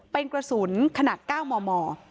เป็นกระสุนขนาด๙มม